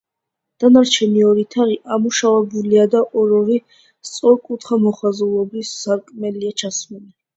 დანარჩენი ორი თაღი ამოშენებულია და ორ-ორი, სწორკუთხა მოხაზულობის სარკმელია ჩასმული.